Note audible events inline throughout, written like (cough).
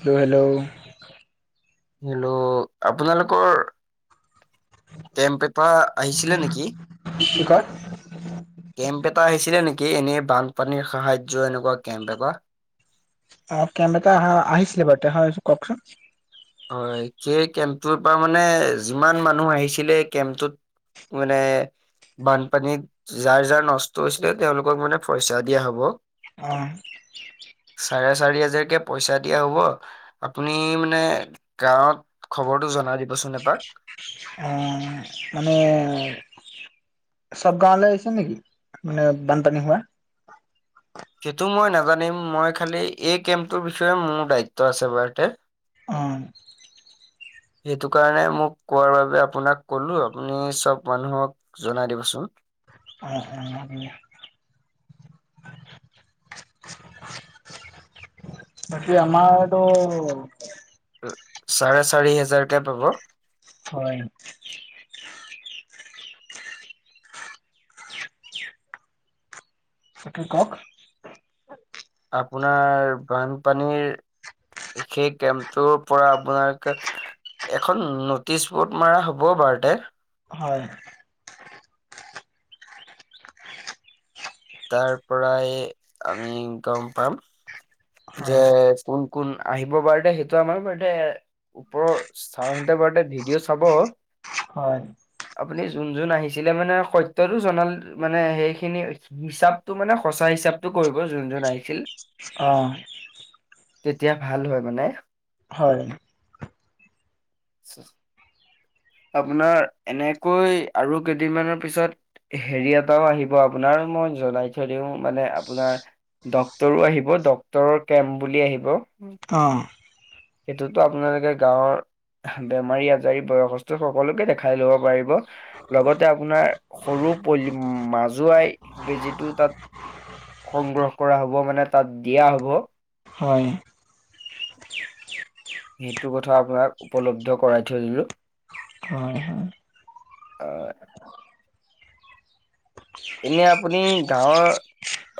Hello hello hello আপোনালোকৰ camp paper আহিছিলে নেকি কি কয় কেম্প এটা আহিছিলে নেকি? কে এনেই বানপানীৰ সাহায্য এনেকুৱা কেম্প এবা অ কেম এটা আহা আহিছিলে বাৰতে কওকচোন হয় সেই কেম্পটোৰ পৰা মানে যিমান মানুহ আহিছিলে কেম্পটোত মানে বানপানীত যাৰ যাৰ নষ্ট হৈছিলে তেওঁলোকক মানে পইচা দিয়া হব অহ চাৰে চাৰি হাজাৰকে পইচা দিয়া হ'ব আপুনি মানে গাঁৱত খবৰটো জনাই দিবচোন এপাক অ মানে চব গাঁৱলে আহিছে নেকি মানে বনপানী হোৱা সেইটো মই নাজানিম মই খালি এই কেম্পটোৰ বিষয়ে মোৰ দায়িত্ব আছে বাৰতে অ (inaudible) সেইটো কাৰণে মোক কোৱাৰ বাবে আপোনাক কলো আ মানুক জনাই দিবোন অ বাকি আমাৰ এইটো, চাৰে চাৰি হোজাৰকে পাব। হয়। চাক কওক আপোনাৰ বানপানীৰ। সেই কেম্পটোৰ পৰা আপোনাৰে, এখন নটিচ বোৰ্ড মাৰ হ'ব বাৰু তে। হয়। তাৰ পৰাই আমি গম পাম যে হয় কোন? কোন আহিব বাৰুতে সেইটো আমাৰ বাৰুতে ওপৰৰ চাৰ হতে বাৰুতে ভিডিঅ' চাব। হয়। আপুনি যোন যোন আহিছিলে মানে সত্যটো জনাল মানে সেইখিনি হিচাপটো মানে সঁচা হিচাপটো কৰিব যোনজন আহিছিল। অ'। তেতিয়া ভাল হয় মানে। হয়। (inaudible) আপোনাৰ এনেকৈ আৰু কেইদিনমানৰ পিছত হেৰি এটাও আহিব আপোনাৰো মই জনাই থৈ দিওঁ মানে আপোনাৰ। ডক্তৰো আহিব, ডক্তৰৰ কেম্প বুলি আহিব। অ'। সেইটোতো আপোনালোকে গাঁৱৰ বেমাৰী আজাৰি বয়সস্থ স সকলোকে দেখাই ল'ব পাৰিব লগতে আপোনাৰ সৰু পৰি মাজুৱাই বেজিটো তাত সংগ্ৰহ কৰা হ'ব, মানে তাত দিয়া হ'ব। হয়। (inaudible) সেইটো কথা আপোনাক উপলব্ধ কৰাই থৈ দিলোঁ। হয় হয় অ'। এনে আপুনি গাঁৱৰ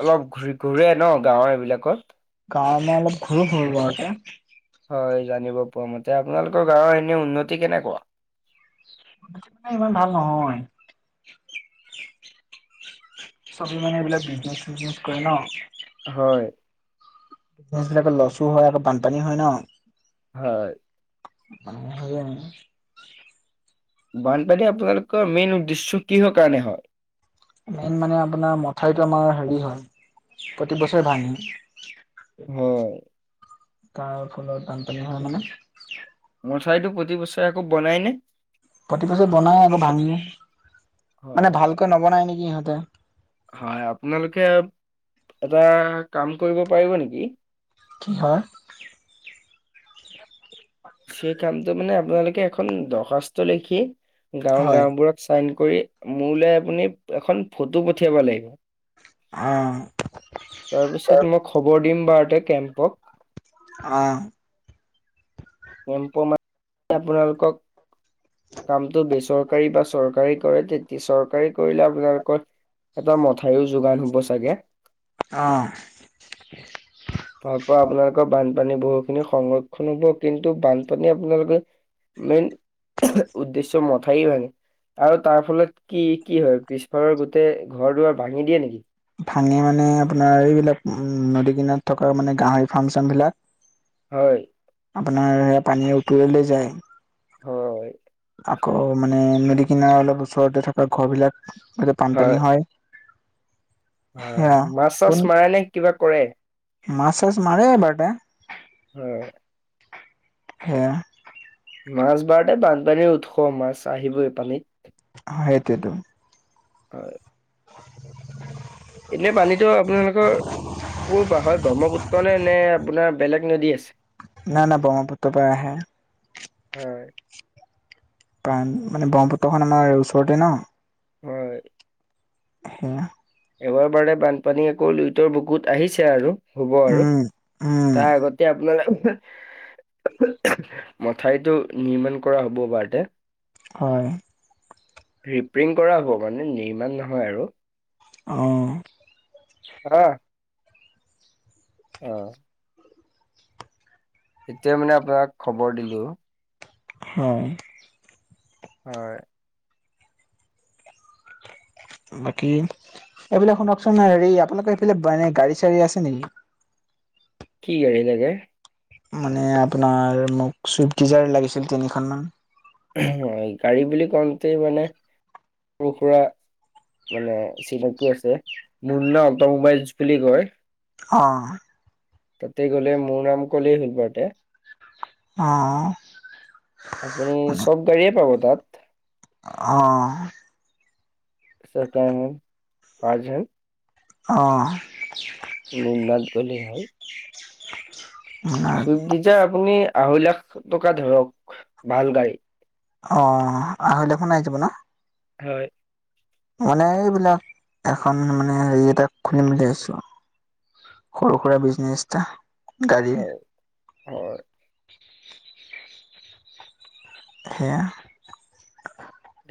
অলপ ঘূ-ঘূৰে ন গাঁৱৰ এইবিলাকত। গাঁৱ মানে অলপ ঘূৰ ফুৰ (unintelligible) হয়, জানিব পোৱা মতে আপোনালোকৰ গাঁৱৰ এনে উন্নতি কেনেকুৱা? মে ইমান ভাল নহয়। চবে মানে এইবিলাক বিজনেচ-চিজনেচ কৰে ন। হয়। বিলাকে লচু হয় আকৌ বানপানী হয় ন'। হয়। মান বানপানী আপোনালোকৰ মেইন উদ্দেশ্য কিহৰ কাৰণে হয়? মেইন মানে আপোনাৰ মঠাইউৰিতো আমাৰ হেৰি হয়, প্ৰতিবছৰে ভাঙে। হয়। তাৰ ফলত বান পানী হয় মানে। মঠাইউৰিটো প্ৰতি বছৰে আকৌ বনাই নে? প্ৰতি বছৰত বনাই আকৌ ভাঙে, মানে হয় ভালকৈ নবনাই নেকি ইিহঁতে। হয় আপোনালোকে এটা কাম কৰিব পাৰিব নেকি? কি হয়, সেই কামটো মানে আপোনালোকে এখন দৰ্খাস্ত লিখি, গাঁওৰ হয় গাওবোৰত চাইন, কৰি মোলৈ আপুনি এখন ফটো পঠিয়াব লাগিব। অ'। তাৰপিছত মই খবৰ দিম বাৰতে কেম্পক। অ (unintelligible) আপোনালোকক কামটো বেচৰকাৰী বা চৰকাৰী কৰে তেতিয়া চৰকাৰী কৰিলে আপোনালোকৰ এটা মঠাইো যোগান হ'ব চাগে। অ',। তাৰ পৰা আপোনালোকৰ বানপানীৰ বহুখিনি সংৰক্ষণ হ'ব। কিন্তু বানপানী আপোনালোকে। মেইন উদ্দেশ্য মাথাই হয়নে। আৰু তাৰ ফলত কি কি হয়। পিছফালৰ গোটেই ঘৰ দুৱাৰ ভাঙি দিয়ে নেকি? ভাঙে মানে আপোনাৰ এইবিলাক নদী কিনত থকা মানে গাহৰি ফাৰ্ম চাৰ্ম বিলাক। হয় আপোনাৰ পানীয়ে উটুৱাই লৈ যায়। হয় আকৌ মানে নদী কিনাৰ অলপ ওচৰতে থকা ঘৰ বিলাক। এতে বানপানী হয়। হয়, সেয়া মাছ-চাছ মৰা নে কিবা কৰে। মাছ-চাছ মাৰে এবাৰতে। হয়। সেয়া। মাছ বাৰতে বানপানীৰ উৎস মাছ আহিবই পানীত। সেইটোৱে টো। হয়। এতিয়া পানীতো আপোনালোকৰ প হয় ব্ৰহ্মপুত্ৰ নে নে আপোনাৰ বেলেগ নদী আছে। ন না ব্ৰহ্মপুত পৰাহে আহে। হয়। কাৰণ মানে ব্ৰহ্মপুত্ৰখন আমাৰ ওচৰতে ন। হয়। হা এবাৰ বাৰে বানপানী আকৌ লুইতৰ বুকুত আহিছে আৰু। হ'ব আৰু উম উম তাৰ আগতে আপোনাৰ মঠাইতটো নিৰ্মাণ কৰা হ'ব বাৰ তে। হয়। ৰিপিং কৰা হ'ব মানে নিৰ্মাণ নহয় আৰু। অ'। আহা। উম। এতিয়াই মানে আপোনাক খবৰ দিলো। হয়। হয়। বাকী। এইবিলাক শুনকচোন হেৰি আপোনালোকৰ এইফালে মানে গাড়ী চাড়ী আছে নেকি। কি গাড়ী লাগে। মানে আপোনাৰ মোক চুইফ্টিডিজাৰ লাগিছিল তিনিখন মান। হয় গাড়ী বুলি কওঁতে মানে সৰু সুৰা। মানে চিনাকি আছে মুন্না অটমোবাইলছ বুলি কয়। অ',। তাতে গ'লে মোৰ নাম কলে হ'ল তাতে। অ আপুনি চব গাড়ীয়ে পাব তাত। আহ। (unintelligible) অ'। লুনাত গ'লেই হয়। আপোনাৰ চুইপ ডিজাৰ আপুনি আঢ়ৈ লাখ টকা ধৰক ভাল গাড়ী। অহ আহিলে সোমাই যাব ন' হয়। মানে এইবিলাক এখন মানে হেৰি এটা খুলিম বুলি আহিছো। সৰু সুৰা বিজনেছ এটা গাড়ীৰ হয়, হয়। সেয়া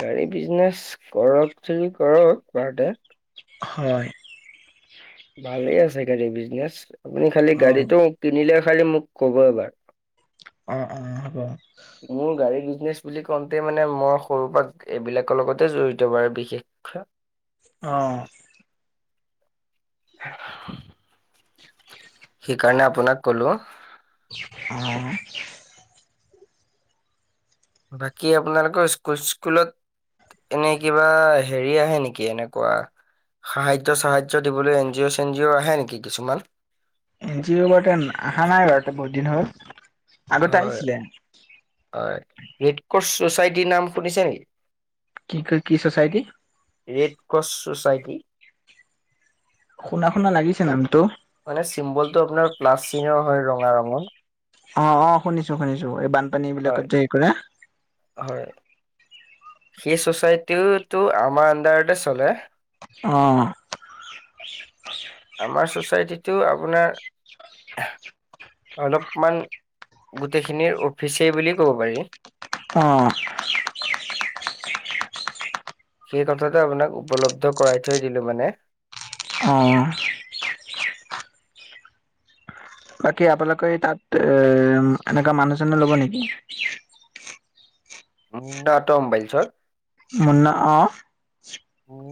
গাড়ী বিজনেচ কৰক যদি কৰক বাৰ দে হয়। ভালে আছে গাড়ীৰ বিজনেচ আপুনি খালি অ গাড়ীটো কিনিলে খালি মোক ক'ব এবাৰ। অ', -অ' হ'ব। মোৰ গাড়ী গ (unintelligible) বুলি কওঁতেই মানে মই সৰুৰ পৰা এইবিলাকৰ লগতে জড়িত বাৰু বিশেষকে। অহ। সেইকাৰণে। আপোনাক ক'লো। আহে। বাকী আপোনালোকৰ স্কুল-চিস্কুলত। এনেই কিবা হেৰি আহে নেকি এনেকুৱা? সাহাৰ্য, চাহাৰ্য দিবলৈ এন জি অ', চেনজি অ' আহে নেকি কিছুমান। এনজিঅ' বে আহা নাই বা বহুত দিন হ'ল আগতে হয় আহিছিলে হয় ৰেড ক্ৰছ চচাইটিৰ নাম শুনিছে নেকি কি-কি-কি ছোছাইটিৰ টো চাইকেল শুনা শুনা লাগিছে নামটো মানে চিম্বলটো আপোনাৰ। প্লাছচীনৰ হয় ৰঙা ৰঙৰ অ', -অ' শুনিছো, শুনিছো এই বানপানী বিলাকত হয় যে হে কৰে। হয় সেই ছচাইটিটো আমাৰ আণ্ডাৰতে চলে। অ'। আমাৰ ছচাইটিটো আপোনাৰ অলপমান গোটেইখিনিৰ অফিচই বুলি ক'ব পাৰি। অহ। সেই কথাটো আপোনাক উপলব্ধ কৰাই থৈ দিলো মানে অ'। বাকী আপোনালোকে তাত এ এনেকুৱা মানুহজনে ল'ব নেকি? (unintelligible) মোৰ নে অ'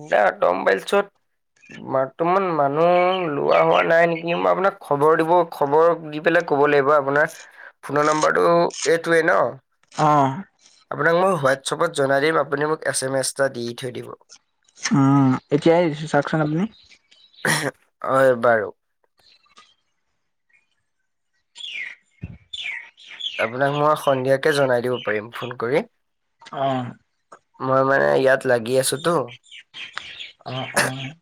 ইতা অট' মবাইলচত। বাৰ্তমান মানুহ লোৱা হোৱা নাই নেকি, মই আপোনাক খবৰ দিব খবৰ দি পেলাক কব লাগিব আপোনাৰ ফোনৰ নম্বৰটো এইটোৱে ন'। অ আপোনাক মই হোৱাটছআপত জনাই দিম আপুনি মোক এছ এম এছ এটা দি থৈ দিব অ' এতিয়াই দিছো চাওকচোন আপুনি। হয় বাৰু আপোনাক মই সন্ধিয়াকে জনাই দিব পাৰিম ফোন কৰি অ'। মই মানে ইয়াত লাগি আছেতো। অ', -অ'।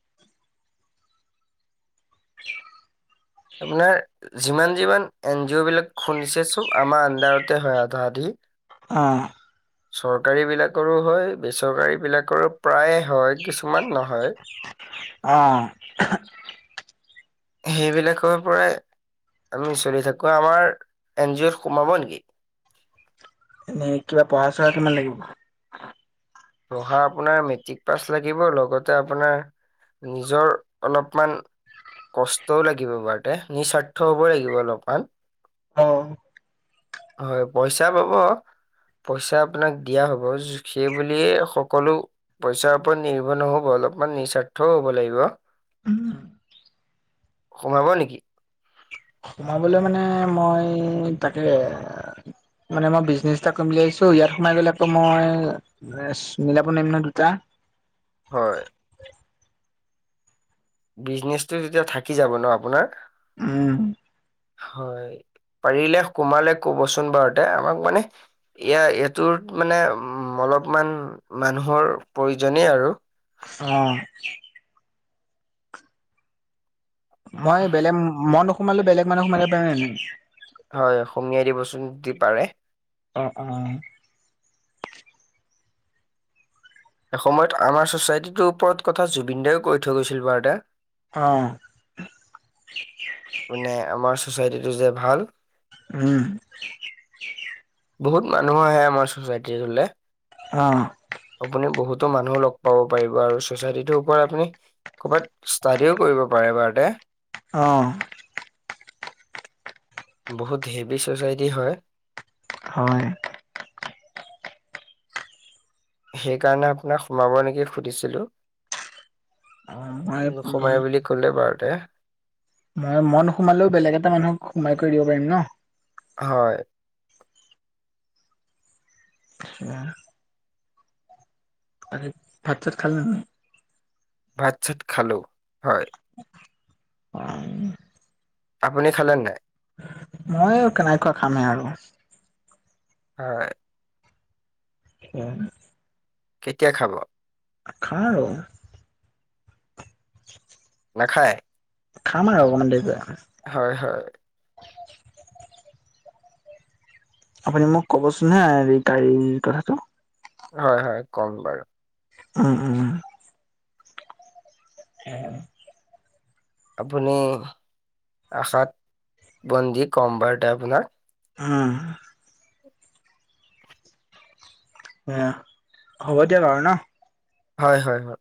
আপোনাৰ যিমান, যিমান এনজিঅ' খুলিছে চব আমাৰ আণ্ডাৰতে হয় আৰু তাহাঁতি। অ'। চৰকাৰী বিলাকৰো হয় বেচৰকাৰী বিলাকৰো প্ৰায়ে হয় কিছুমান নহয়। অ'। সেইবিলাকৰ পৰাই আমি চলি থাকো আমাৰ এন জি অ'ত সোমাব নেকি? এনেই কিবা পঢ়া চঢ়া কিমান লাগিব? পঢ়া আপোনাৰ মেট্ৰিক পাছ লাগিব লগতে আপোনাৰ নিজৰ অলপমান কষ্টও লাগিব বাৰুতে নিস্বাৰ্থ হবই লাগিব অলপমান। অ'। হয় পইচা পাব পইচা আপোনাক দিয়া হব সেই বুলিয়ে সকলো পইচাৰ ওপৰত নিৰ্ভৰ নহব। অলপমান নিস্বাৰ্থও হ'ব লাগিব। উম। সোমাব নেকি? সোমাবলৈ মানে মই তাকে মানে মই বিজনেছ এটা কৰিম বুলি আহিছো ইয়াত সোমাই গ'লে আকৌ মই মিলাব নোৱাৰম ন দুটা হয়। বিজনেচটো তেতিয়া থাকি যাব ন আপোনাৰ। উম। হয় পাৰিলে সোমালে কবচোন বাৰু তে আমাক মানে এয়া এইটোৰ মানে উ অলপমান মানুহৰ প্ৰয়োজনেই আৰু। অ। মই বেলেগ মন নোসোমালো বেলেগ মানুহ সোমালে পাৰে না হয় অসমীয়াই দিবচোন দি পাৰে। অ অ। এসময়ত আমাৰ ছচাইটিটোৰ ওপৰত কথা জুবিন দায ইও কৈ থৈ গৈছিল বাৰদা অ মানে আমাৰ চচাইটিটো যে ভাল উম বহুত মানুহো আহে আমাৰ চচাইটি হলে অ আপুনি বহুত টো মানুহ লগ পাব পাৰিব আৰু চচাইটি টো কৰা খিনিক কবাত স্তাইদেও কৰিব পাৰে বাৰতে। অ'। বহুত হেভি ছ'চাইটি হয়। হয়। সেইকাৰণে আপোনাক সোমাব নেকি সুধিছিলোঁ অ মই নো সোমাই বুলি কলে বাৰুতে মই মন সোমালেও বেলেগ এটা মানুহক সোমাই কৰি দিব পাৰিম ন। হয়। উম। আৰে ভাত চাট খালা নাই ভাত চাত খালো। হয় পাই আপুনি খালে নাই? মই কেনেকুৱা খামেই আৰু হয় অ। কেতিয়া খাব (unintelligible) (unintelligible) নাখায় খাম আৰু অকণমান দেৰীকে হয় হয় আপুনি মোক কবচোন হাঁ, সেৰি গাড়ীৰ কথাটো। হয়-হয় কম বাৰু। উম উম উম উম আপুনি আশাত বন্দি কম বাৰত আপোনাক। উম, উ হ'ব দিয়া বাৰু ন। হয়-হয়-হয়,